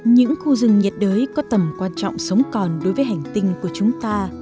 những khu rừng nhiệt đới có tầm quan trọng sống còn đối với hành tinh của chúng ta